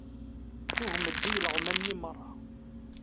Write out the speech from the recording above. Tugem-d i ileɣman-nni meṛṛa.